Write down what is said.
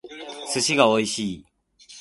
寿司が美味しい